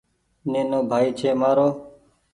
نينو ڀآئي ڇي مآرو ۔